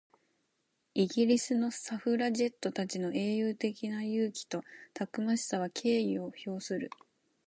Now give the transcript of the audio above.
イギリスのサフラジェットたちの英雄的な勇気とたくましさには敬意を表する。